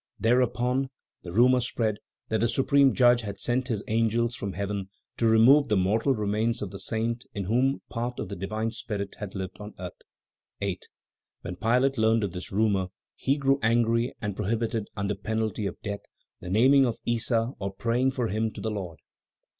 Thereupon, the rumor spread that the Supreme Judge had sent His angels from Heaven, to remove the mortal remains of the saint in whom part of the divine Spirit had lived on earth. 8. When Pilate learned of this rumor, he grew angry and prohibited, under penalty of death, the naming of Issa, or praying for him to the Lord.